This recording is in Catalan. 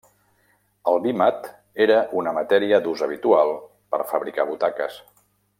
El vímet era una matèria d'ús habitual per fabricar butaques.